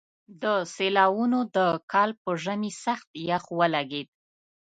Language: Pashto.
د سېلاوونو د کال په ژمي سخت يخ ولګېد.